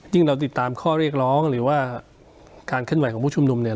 เราติดตามข้อเรียกร้องหรือว่าการเคลื่อนไหวของผู้ชุมนุมเนี่ย